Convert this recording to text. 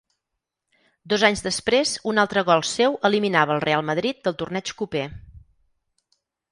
Dos anys després, un altre gol seu eliminava al Reial Madrid del torneig coper.